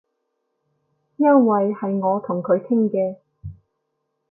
因爲係我同佢傾嘅